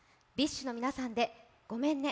ＢｉＳＨの皆さんで「ごめんね」